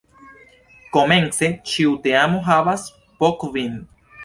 Komence ĉiu teamo havas po kvin.